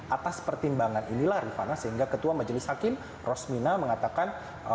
atas pertimbangan inilah rifana sehingga ketua majelis hakim rosmina mengatakan